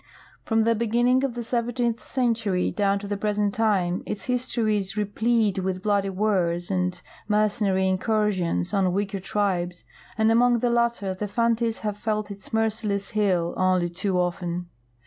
From the beginning of the seventeentli century down to the present time its history is replete with bloody wars and mercenary incursions on weaker tribes, and among the latter the Fantis have felt its merciless heel only too often.